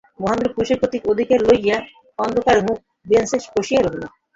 মহেন্দ্র পুরুষের কর্তৃত্ব-অধিকার লইয়া অন্ধকার-মুখে বেঞ্চে বসিয়া রহিল।